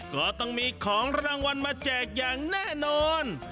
ก็ต้องมีของรางวัลมาแจกอย่างแน่นอน